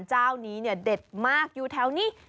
เจ้านี้เนี่ยเด็ดมากอยู่แถวนี้